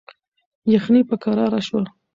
یخني په کراره شوه.